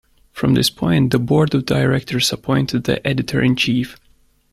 From this point, the board of directors appointed the editor-in-chief.